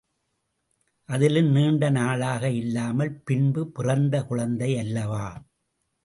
அதிலும் நீண்ட நாளாக இல்லாமல் பின்பு பிறந்த குழந்தை அல்லவா?